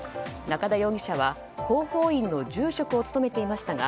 仲田容疑者は光宝院の住職を務めていましたが